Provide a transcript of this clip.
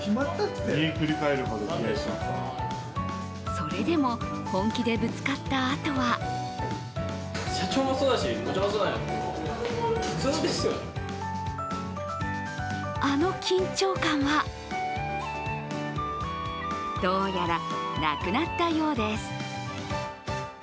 それでも本気でぶつかったあとはあの緊張感はどうやら、なくなったようです。